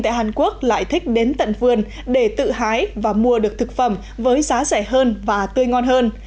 tại hàn quốc lại thích đến tận vườn để tự hái và mua được thực phẩm với giá rẻ hơn và tươi ngon hơn